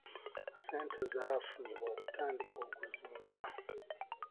Ssente zaafunibwa okutandika okuzimba .